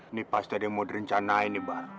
ini pasti ada yang mau direncanain bar